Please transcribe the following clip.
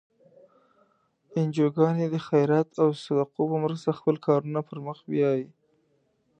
انجوګانې د خیرات او صدقو په مرستو خپل کارونه پر مخ بیایي.